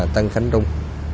tân khánh trung